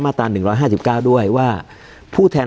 การแสดงความคิดเห็น